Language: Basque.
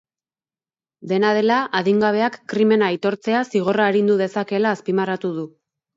Dena dela, adingabeak krimena aitortzea zigorra arindu dezakeela azpimarratu du.